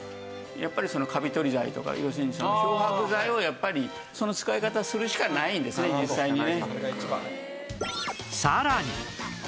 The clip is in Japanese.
やっぱりカビ取り剤とか要するに漂白剤をやっぱりその使い方をするしかないんですね実際にね。